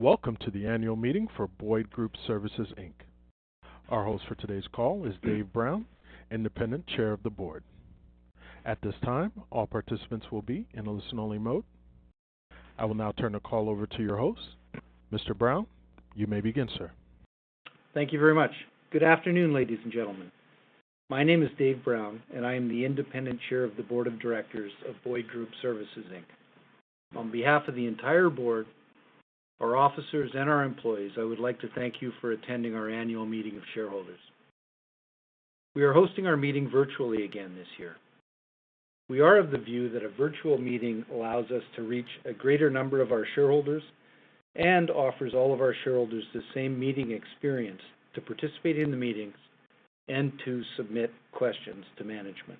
Welcome to the annual meeting for Boyd Group Services, Inc. Our host for today's call is Dave Brown, Independent Chair of the Board. At this time, all participants will be in a listen-only mode. I will now turn the call over to your host. Mr. Brown, you may begin, sir. Thank you very much. Good afternoon, ladies and gentlemen. My name is Dave Brown, and I am the Independent Chair of the Board of Directors of Boyd Group Services Inc. On behalf of the entire board, our officers, and our employees, I would like to thank you for attending our annual meeting of shareholders. We are hosting our meeting virtually again this year. We are of the view that a virtual meeting allows us to reach a greater number of our shareholders and offers all of our shareholders the same meeting experience to participate in the meetings and to submit questions to management.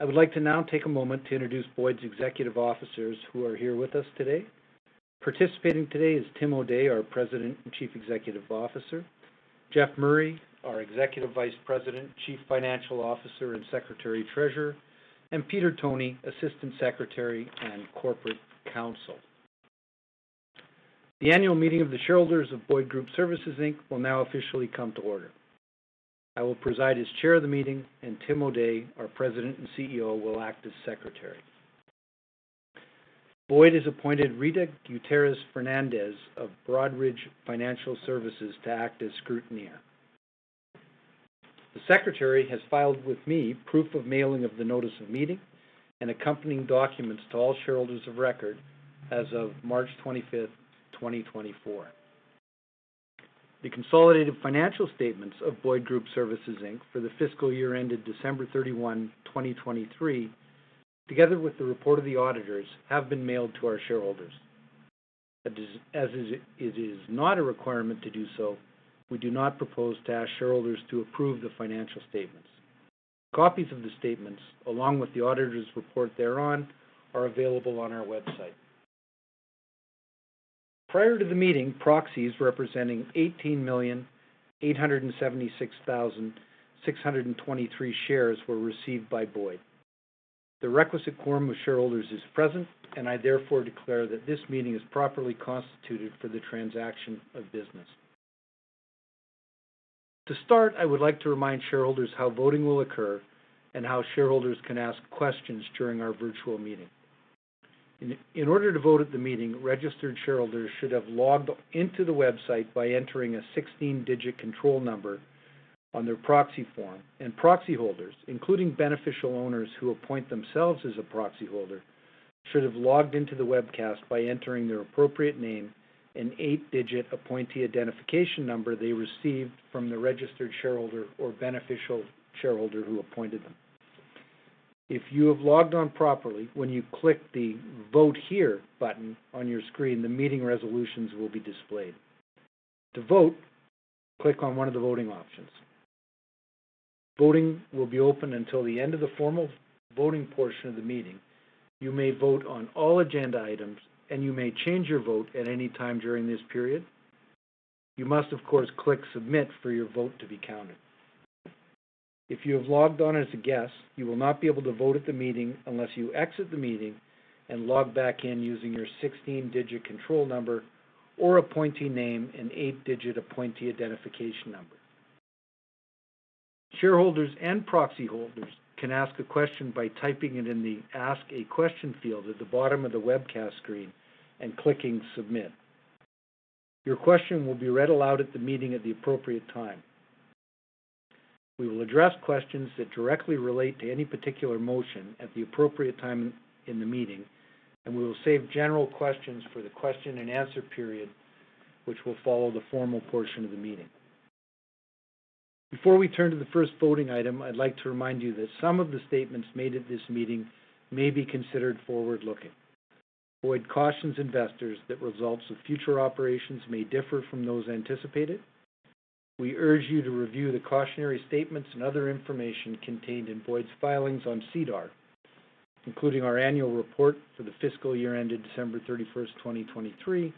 I would like to now take a moment to introduce Boyd's executive officers, who are here with us today. Participating today is Tim O'Day, our President and Chief Executive Officer, Jeff Murray, our Executive Vice President, Chief Financial Officer, and Secretary Treasurer, and Peter Toni, Assistant Secretary and Corporate Counsel. The annual meeting of the shareholders of Boyd Group Services, Inc. will now officially come to order. I will preside as chair of the meeting, and Tim O'Day, our President and CEO, will act as secretary. Boyd has appointed Rita Gutierrez-Fernandez of Broadridge Financial Services to act as scrutineer. The secretary has filed with me proof of mailing of the notice of meeting and accompanying documents to all shareholders of record as of March 25, 2024. The consolidated financial statements of Boyd Group Services, Inc. for the fiscal year ended December 31, 2023, together with the report of the auditors, have been mailed to our shareholders. It is not a requirement to do so, we do not propose to ask shareholders to approve the financial statements. Copies of the statements, along with the auditor's report thereon, are available on our website. Prior to the meeting, proxies representing 18,876,623 shares were received by Boyd. The requisite quorum of shareholders is present, and I therefore declare that this meeting is properly constituted for the transaction of business. To start, I would like to remind shareholders how voting will occur and how shareholders can ask questions during our virtual meeting. In order to vote at the meeting, registered shareholders should have logged into the website by entering a 16-digit control number on their proxy form, and proxy holders, including beneficial owners who appoint themselves as a proxy holder, should have logged into the webcast by entering their appropriate name and eight-digit appointee identification number they received from the registered shareholder or beneficial shareholder who appointed them. If you have logged on properly, when you click the Vote Here button on your screen, the meeting resolutions will be displayed. To vote, click on one of the voting options. Voting will be open until the end of the formal voting portion of the meeting. You may vote on all agenda items, and you may change your vote at any time during this period. You must, of course, click Submit for your vote to be counted. If you have logged on as a guest, you will not be able to vote at the meeting unless you exit the meeting and log back in using your 16-digit control number or appointee name and eight-digit appointee identification number. Shareholders and proxy holders can ask a question by typing it in the Ask a Question field at the bottom of the webcast screen and clicking Submit. Your question will be read aloud at the meeting at the appropriate time. We will address questions that directly relate to any particular motion at the appropriate time in the meeting, and we will save general questions for the question-and-answer period, which will follow the formal portion of the meeting. Before we turn to the first voting item, I'd like to remind you that some of the statements made at this meeting may be considered forward-looking. Boyd cautions investors that results of future operations may differ from those anticipated. We urge you to review the cautionary statements and other information contained in Boyd's filings on SEDAR, including our annual report for the fiscal year ended December 31, 2023,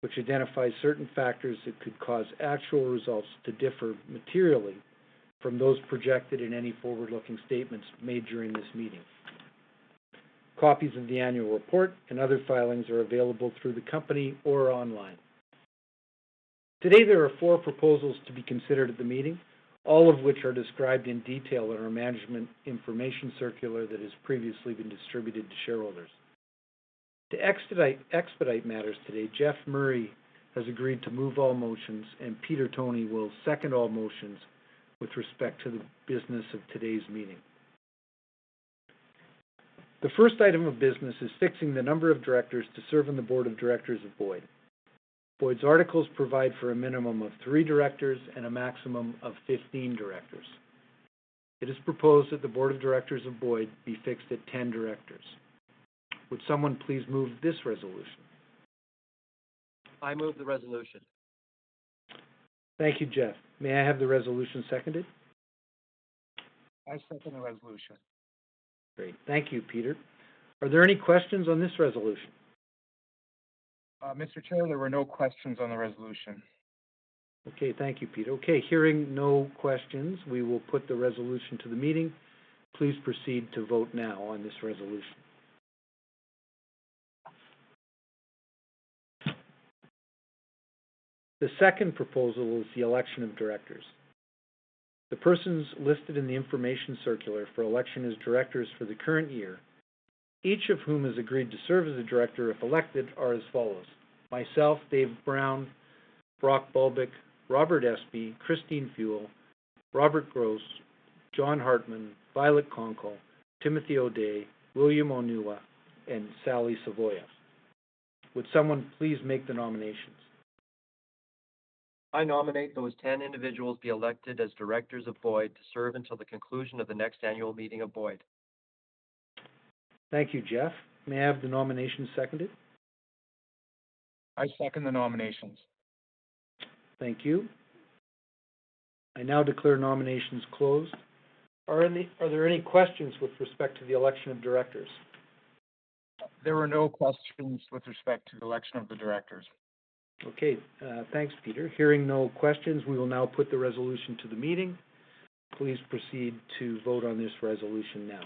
which identifies certain factors that could cause actual results to differ materially from those projected in any forward-looking statements made during this meeting. Copies of the annual report and other filings are available through the company or online. Today, there are four proposals to be considered at the meeting, all of which are described in detail in our management information circular that has previously been distributed to shareholders. To expedite matters today, Jeff Murray has agreed to move all motions, and Peter Toni will second all motions with respect to the business of today's meeting. The first item of business is fixing the number of directors to serve on the board of directors of Boyd. Boyd's articles provide for a minimum of three directors and a maximum of 15 directors. It is proposed that the board of directors of Boyd be fixed at 10 directors. Would someone please move this resolution? I move the resolution. Thank you, Jeff. May I have the resolution seconded? I second the resolution. Great. Thank you, Peter. Are there any questions on this resolution? Mr. Chair, there were no questions on the resolution.... Okay. Thank you, Peter. Okay, hearing no questions, we will put the resolution to the meeting. Please proceed to vote now on this resolution. The second proposal is the election of directors. The persons listed in the information circular for election as directors for the current year, each of whom has agreed to serve as a director if elected, are as follows: myself, Dave Brown, Brock Bulbuck, Robert Espey, Christine Feuell, Robert Gross, John Hartmann, Violet Konkle, Timothy O'Day, William Onuwa, and Sally Savoia. Would someone please make the nominations? I nominate those ten individuals be elected as directors of Boyd to serve until the conclusion of the next annual meeting of Boyd. Thank you, Jeff. May I have the nomination seconded? I second the nominations. Thank you. I now declare nominations closed. Are there any questions with respect to the election of directors? There are no questions with respect to the election of the directors. Okay, thanks, Peter. Hearing no questions, we will now put the resolution to the meeting. Please proceed to vote on this resolution now.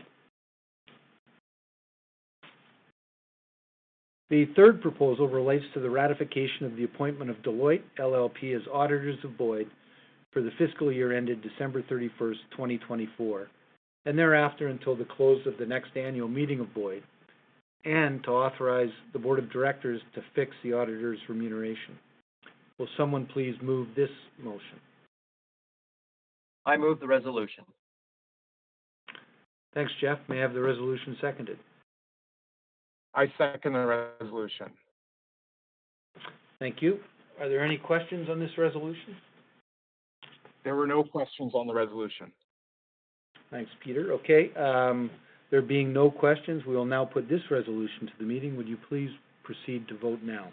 The third proposal relates to the ratification of the appointment of Deloitte LLP as auditors of Boyd for the fiscal year, ended December 31st, 2024, and thereafter until the close of the next annual meeting of Boyd, and to authorize the board of directors to fix the auditors' remuneration. Will someone please move this motion? I move the resolution. Thanks, Jeff. May I have the resolution seconded? I second the resolution. Thank you. Are there any questions on this resolution? There were no questions on the resolution. Thanks, Peter. Okay, there being no questions, we will now put this resolution to the meeting. Would you please proceed to vote now?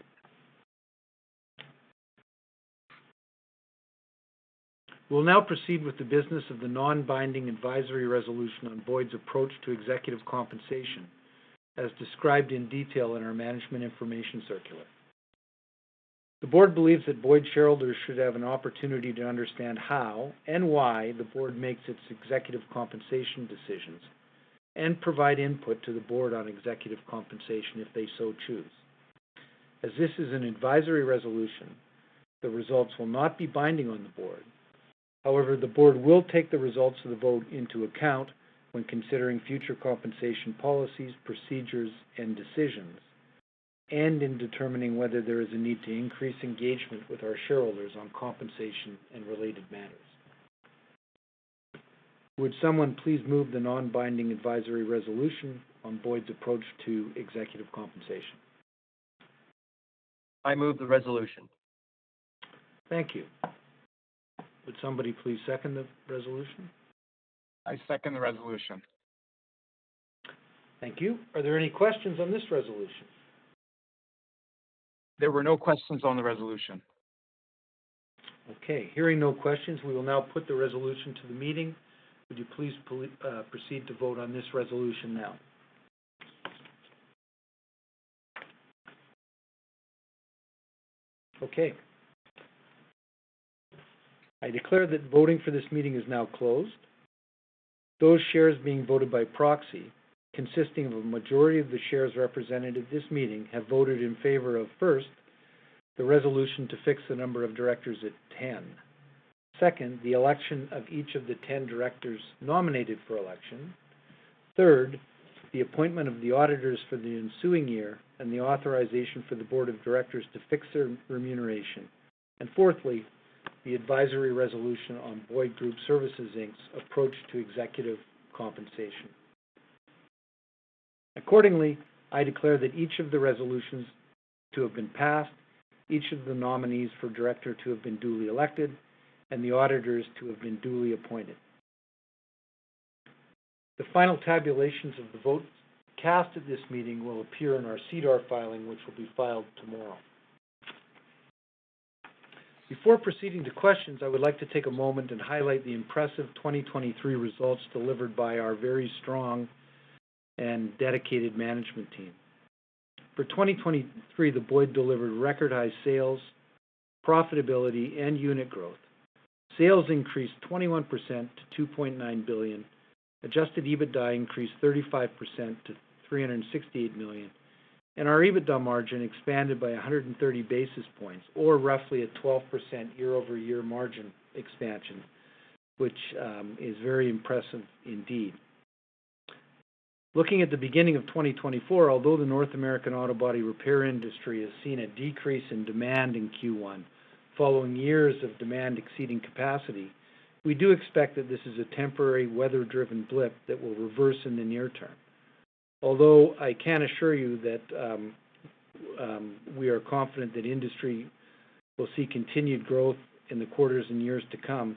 We'll now proceed with the business of the non-binding advisory resolution on Boyd's approach to executive compensation, as described in detail in our Management Information Circular. The board believes that Boyd shareholders should have an opportunity to understand how and why the board makes its executive compensation decisions, and provide input to the board on executive compensation if they so choose. As this is an advisory resolution, the results will not be binding on the board. However, the board will take the results of the vote into account when considering future compensation policies, procedures, and decisions, and in determining whether there is a need to increase engagement with our shareholders on compensation and related matters. Would someone please move the non-binding advisory resolution on Boyd's approach to executive compensation? I move the resolution. Thank you. Would somebody please second the resolution? I second the resolution. Thank you. Are there any questions on this resolution? There were no questions on the resolution. Okay, hearing no questions, we will now put the resolution to the meeting. Would you please proceed to vote on this resolution now? Okay. I declare that voting for this meeting is now closed. Those shares being voted by proxy, consisting of a majority of the shares represented at this meeting, have voted in favor of, first, the resolution to fix the number of directors at 10. Second, the election of each of the 10 directors nominated for election. Third, the appointment of the auditors for the ensuing year and the authorization for the board of directors to fix their remuneration. Fourthly, the advisory resolution on Boyd Group Services Inc's approach to executive compensation. Accordingly, I declare that each of the resolutions to have been passed, each of the nominees for director to have been duly elected, and the auditors to have been duly appointed. The final tabulations of the votes cast at this meeting will appear in our SEDAR filing, which will be filed tomorrow. Before proceeding to questions, I would like to take a moment and highlight the impressive 2023 results delivered by our very strong and dedicated management team. For 2023, the Boyd delivered record-high sales, profitability, and unit growth. Sales increased 21% to 2.9 billion. Adjusted EBITDA increased 35% to 368 million, and our EBITDA margin expanded by 130 basis points, or roughly a 12% year-over-year margin expansion, which is very impressive indeed. Looking at the beginning of 2024, although the North American auto body repair industry has seen a decrease in demand in Q1, following years of demand exceeding capacity, we do expect that this is a temporary, weather-driven blip that will reverse in the near term. Although I can assure you that we are confident that industry will see continued growth in the quarters and years to come,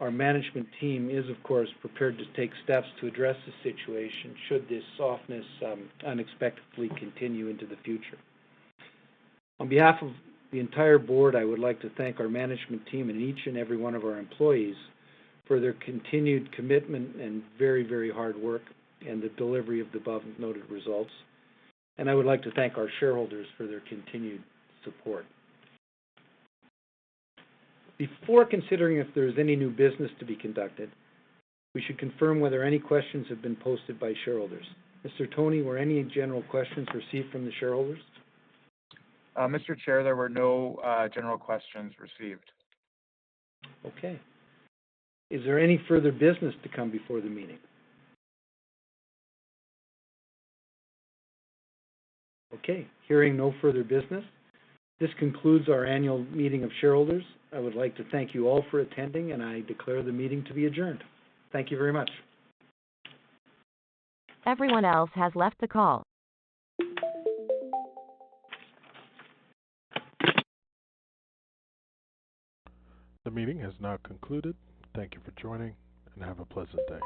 our management team is, of course, prepared to take steps to address the situation should this softness unexpectedly continue into the future. On behalf of the entire board, I would like to thank our management team and each and every one of our employees for their continued commitment and very, very hard work and the delivery of the above-noted results. I would like to thank our shareholders for their continued support. Before considering if there is any new business to be conducted, we should confirm whether any questions have been posted by shareholders. Mr. Toni, were any general questions received from the shareholders? Mr. Chair, there were no general questions received. Okay. Is there any further business to come before the meeting? Okay, hearing no further business, this concludes our annual meeting of shareholders. I would like to thank you all for attending, and I declare the meeting to be adjourned. Thank you very much. Everyone else has left the call. The meeting has now concluded. Thank you for joining, and have a pleasant day.